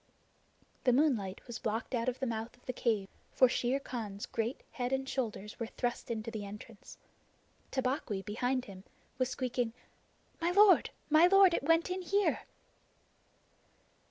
The moonlight was blocked out of the mouth of the cave, for Shere Khan's great square head and shoulders were thrust into the entrance. Tabaqui, behind him, was squeaking: "My lord, my lord, it went in here!"